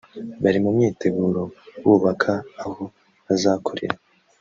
bari mu myiteguro bubaka aho bazakorera